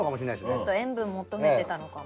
ちょっと塩分求めてたのかも。